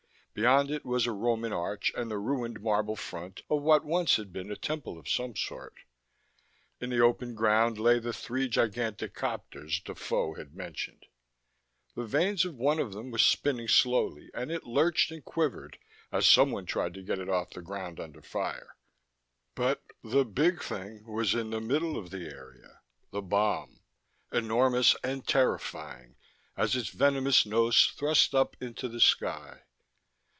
Beyond it was a Roman arch and the ruined marble front of what once had been a temple of some sort; in the open ground lay the three gigantic copters Defoe had mentioned. The vanes of one of them were spinning slowly, and it lurched and quivered as someone tried to get it off the ground under fire. But the big thing was in the middle of the area: The bomb, enormous and terrifying as its venomous nose thrust up into the sky.